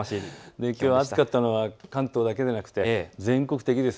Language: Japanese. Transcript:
きょう暑かったのは関東だけではなくて全国的です。